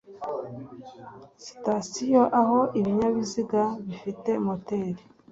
sitasiyo aho ibinyabiziga bifite moteri